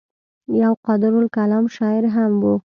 يو قادرالکلام شاعر هم وو